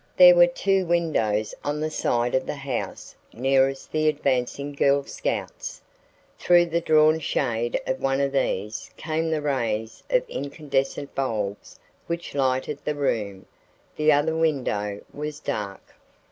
There were two windows on the side of the house nearest the advancing girl scouts. Through the drawn shade of one of these came the rays of incandescent bulbs which lighted the room. The other window was dark.